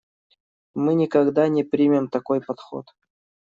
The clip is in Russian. Мы никогда не примем такой подход.